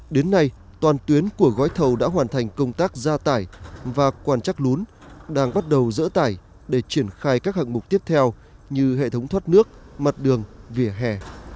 đến nay toàn tuyến của gói thầu đã hoàn thành công tác gia tải và quan chắc lún đang bắt đầu dỡ tải để triển khai các hạng mục tiếp theo như hệ thống thoát nước mặt đường vỉa hè